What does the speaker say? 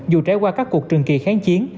dù trải qua các cuộc trường kỳ kháng chiến